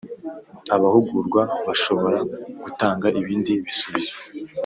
Abahugurwa bashobora gutanga ibindi bisubizo